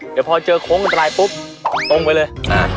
เดี๋ยวพอเจอโค้งอันตรายปุ๊บตรงไปเลย